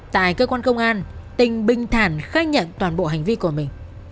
tại cơ quan công an tình bình thản khai nhận toàn bộ hành vi của mình